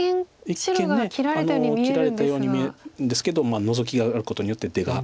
一見切られたように見えるんですけどノゾキがあることによって出が。